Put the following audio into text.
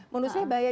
menurut saya bahaya